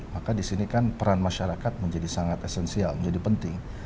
maka di sini kan peran masyarakat menjadi sangat esensial menjadi penting